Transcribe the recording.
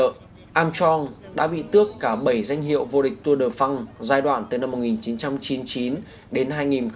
langam chong đã bị tước cả bảy danh hiệu vua địch tour de france giai đoạn từ năm một nghìn chín trăm chín mươi chín đến hai nghìn năm